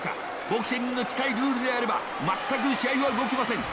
ボクシングに近いルールであれば全く試合は動きません。